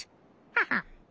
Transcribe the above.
ハハッ。